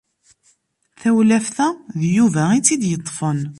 Tawlaft-a d Yuba i tt-id-yeṭṭfen.